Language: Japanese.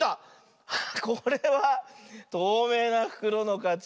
あっこれはとうめいなふくろのかち。